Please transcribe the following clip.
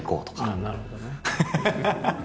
ああなるほどね。